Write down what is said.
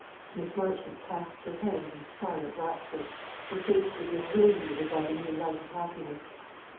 Miss Marchmont clasped her hands in silent rapture. Her face was irradiated by the new light of happiness.